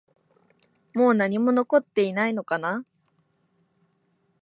もう何も残っていないのかな？